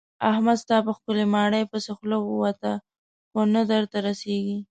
احمد ستا په ښکلې ماڼۍ پسې خوله ووته خو نه درته رسېږي.